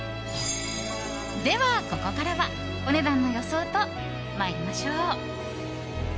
では、ここからはお値段の予想と参りましょう。